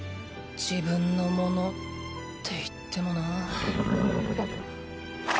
自分のものって言ってもなあ。